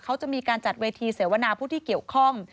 เขาจะมีการจัดเวทีเสวนาผู้ที่เกี่ยวข้อง